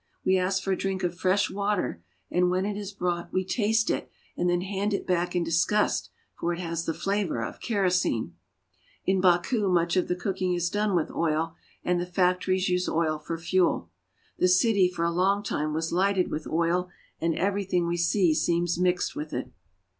We ask for a drink of fresh water, and when it is brought we taste it, and then hand it back in disgust, for it has the flavor of kero sene. In Baku much of the cooking is done with oil, and the factories use oil for fuel. The city for a long time was lighted with oil, and everything we see seems mixed with it.